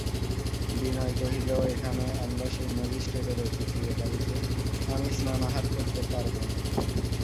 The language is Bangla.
বিনয় কহিল, এখানে আমরা সেই ম্যাজিস্ট্রেটের অতিথি–এ বাড়িতে আমি স্নানাহার করতে পারব না।